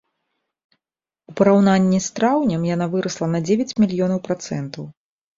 У параўнанні з траўнем яна вырасла на дзевяць мільёнаў працэнтаў.